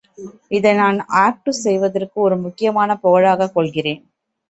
இதை நான் ஆக்டு செய்ததற்கு, ஒரு முக்கியமான புகழாகக் கொள்கிறேன்.